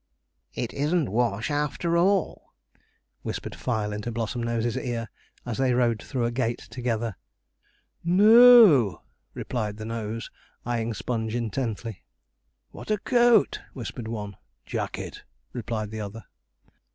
'It isn't Wash, after all,' whispered Fyle into Blossomnose's ear, as they rode through a gate together. 'No o o,' replied the nose, eyeing Sponge intently. 'What a coat!' whispered one. 'Jacket,' replied the other.